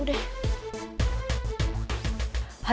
aduh parah spesiaan jakarta